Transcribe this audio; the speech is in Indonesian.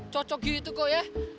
cocok gitu kok ya